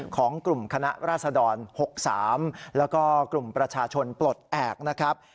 ของกลุ่มคณะราษฎร๖๓แล้วก็กลุ่มประชาชนปลดแอบนะครับ